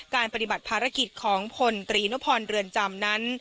ปฏิบัติภารกิจของพลตรีนุพรเรือนจำนั้น